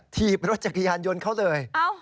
ถีบรถจักรยานยนต์เขาเลย